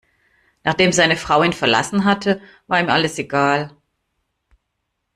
Nachdem seine Frau ihn verlassen hatte, war ihm alles egal.